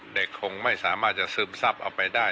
คงไม่สามารถจะซึมซับเอาไปได้